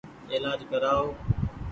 ايلآج ڪرآئو ۔